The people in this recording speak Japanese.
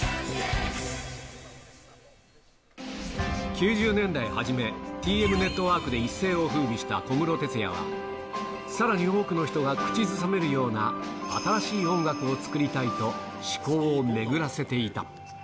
９０年代初め、ＴＭＮＥＴＷＯＲＫで一世をふうびした小室哲哉は、さらに多くの人が口ずさめるような新しい音楽を作りたいと、思考を巡らせていた。